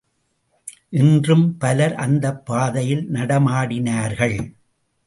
இன்றும் பலர் அந்தப் பாதையில் நடமாடினார்கள்.